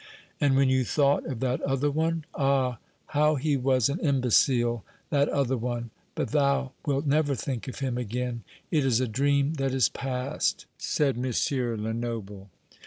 "And when you thought of that other one? Ah, how he was an imbecile, that other one! But thou wilt never think of him again; it is a dream that is past," said M. Lenoble.